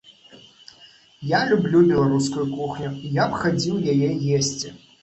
Я люблю беларускую кухню, я б хадзіў яе есці.